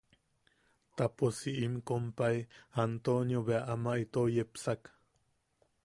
Ta pos si im kompai Antonio bea ama itou yepsak.